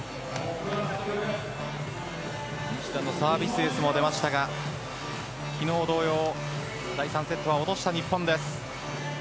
西田のサービスエースも出ましたが昨日同様第３セットは落とした日本です。